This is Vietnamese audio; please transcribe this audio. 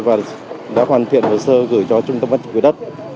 và đã hoàn thiện hồ sơ gửi cho trung tâm phát triển của đất